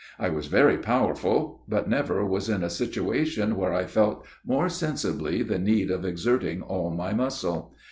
I was very powerful; but never was in a situation where I felt more sensibly the need of exerting all my muscle.